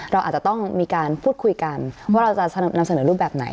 เราอาจจะต้องมีการพูดคุยกันว่าเราจะนำเสนอรูปแบบไหน